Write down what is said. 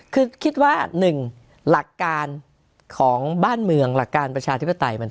คือคิดว่า๑หลักการของบ้านเมืองหลักการประชาธิปไตย